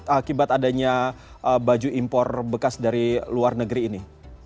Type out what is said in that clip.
akibat adanya baju impor bekas dari luar negeri ini